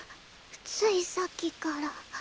ついさっきから。